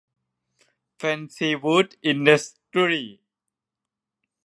แฟนซีวู๊ด อินดัสตรีส